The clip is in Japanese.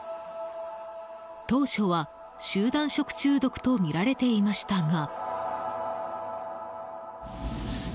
当初は集団食中毒とみられていましたが。